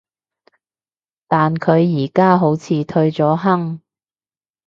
但佢而家好似退咗坑